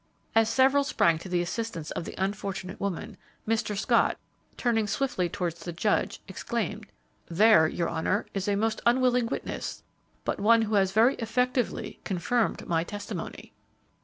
As several sprang to the assistance of the unfortunate woman, Mr. Scott, turning swiftly towards the judge, exclaimed, "There, your honor, is a most unwilling witness, but one who has very effectively confirmed my testimony!"